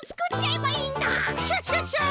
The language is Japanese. クシャシャシャ！